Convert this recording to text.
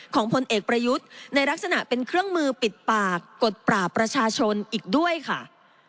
พลเอกประยุทธ์ในลักษณะเป็นเครื่องมือปิดปากกดปราบประชาชนอีกด้วยค่ะ